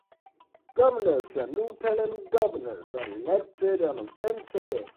Governors and lieutenant governors are elected on the same ticket.